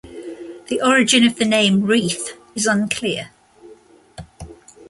The origin of the name "Reeth" is unclear.